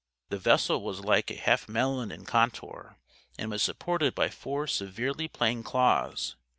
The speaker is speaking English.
The vessel was like a half melon in contour and was supported by four severely plain claws.